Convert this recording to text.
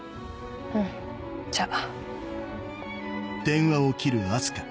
うんじゃあ。